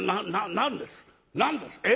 何です？え？